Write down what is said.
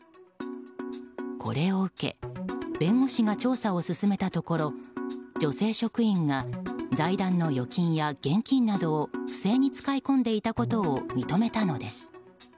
これを受け弁護士が調査を進めたところ女性職員が財団の預金や現金などを不正に使い込んでいたことを認めたのです。